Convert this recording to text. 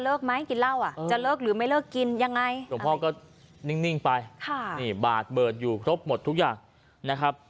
เลิกหรือไม่เลิกกินยังไงส่วนพ่อก็นิ่งไปบาทเบิดอยู่ครบหมดทุกอย่างนะครับ